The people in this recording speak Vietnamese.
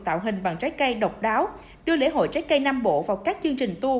tạo hình bằng trái cây độc đáo đưa lễ hội trái cây nam bộ vào các chương trình tour